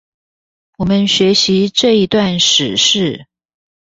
我們學習這一段史事